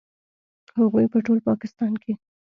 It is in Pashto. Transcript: هغوی په ټول پاکستان کې